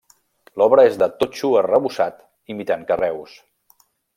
L'obra és de totxo arrebossat imitant carreus.